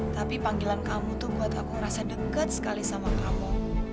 tapi panggilan kamu tuh buat aku merasa dekat sekali sama kamu